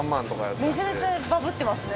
めちゃくちゃバブってますね。